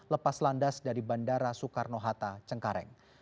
lepas landas dari bandara soekarno hatta cengkareng